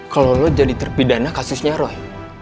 kalau lo jadi terpidana kasusnya roy